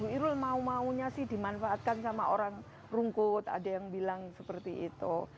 irul mau maunya sih dimanfaatkan sama orang rungkut ada yang bilang seperti itu